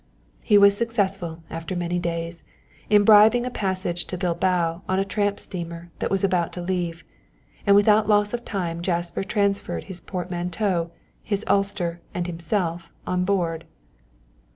He was successful, after many days, in bribing a passage to Bilbao on a tramp steamer that was about to leave, and without loss of time Jasper transferred his portmanteau, his ulster, and himself on board.